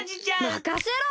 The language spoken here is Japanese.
まかせろ！